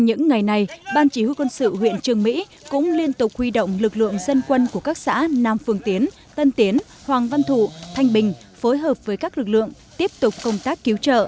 những ngày này ban chỉ huy quân sự huyện trường mỹ cũng liên tục huy động lực lượng dân quân của các xã nam phương tiến tân tiến hoàng văn thụ thanh bình phối hợp với các lực lượng tiếp tục công tác cứu trợ